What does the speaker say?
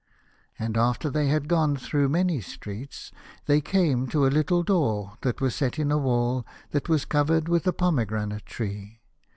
And after that they had gone through many streets they came to a little door that was set in a wall that was covered with a pomegranate tree.